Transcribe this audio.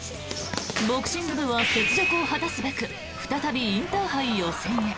ボクシング部は雪辱を果たすべく再びインターハイ予選へ。